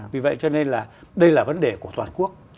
vì vậy cho nên là đây là vấn đề của toàn quốc